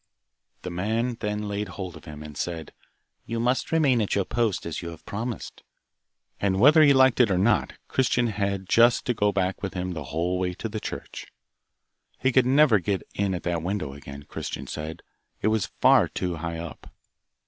The man then laid hold of him, and said, 'You must remain at your post, as you have promised,' and whether he liked it or not, Christian had just to go back with him the whole way to the church. He could never get in at that window again, Christian said; it was far too high up.